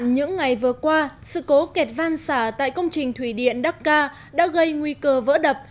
những ngày vừa qua sự cố kẹt van xả tại công trình thủy điện đắc ca đã gây nguy cơ vỡ đập